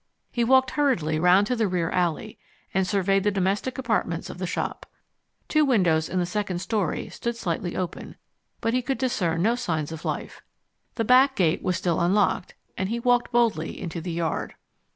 He walked hurriedly round to the rear alley, and surveyed the domestic apartments of the shop. Two windows in the second storey stood slightly open, but he could discern no signs of life. The back gate was still unlocked, and he walked boldly into the yard.